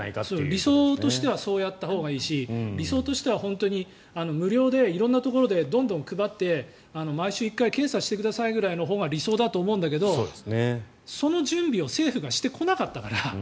理想としてはそうやったほうがいいし理想としては本当に無料で色んなところでどんどん配って毎週１回検査してくださいというほうが理想だと思うんだけどその準備を政府がしてこなかったから。